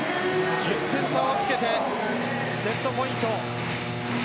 １０点差をつけてセットポイント。